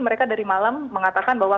mereka dari malam mengatakan bahwa